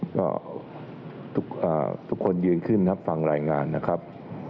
ก็ทุกคนยืนขึ้นรับฟังรายงานนะครับ